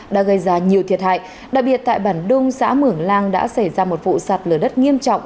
đã gây ra nhiều thiệt hại đặc biệt tại bản đông xã mường lang đã xảy ra một vụ sạt lở đất nghiêm trọng